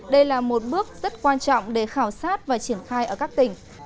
đây là một bước rất quan trọng để khảo sát và triển khai ở các tỉnh